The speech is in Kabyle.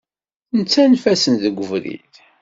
Nettanef-asen deg ubrid.